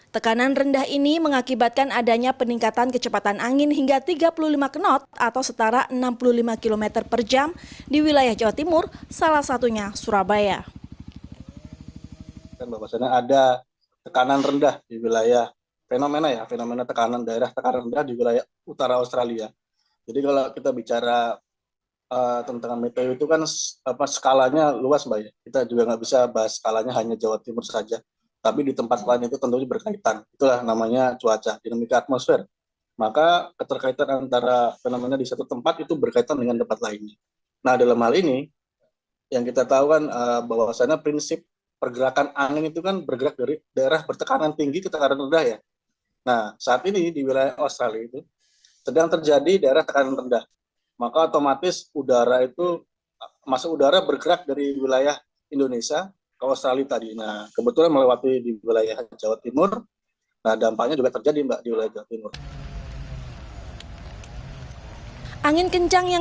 tekanan rendah ini mengakibatkan adanya peningkatan kecepatan angin hingga tiga puluh lima knot atau setara enam puluh lima km per jam di wilayah jawa timur salah satunya surabaya